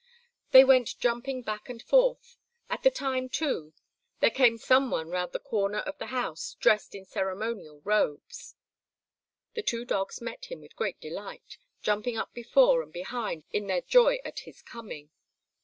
They went jumping back and forth. At that time, too, there came some one round the corner of the house dressed in ceremonial robes. The two dogs met him with great delight, jumping up before and behind in their joy at his coming.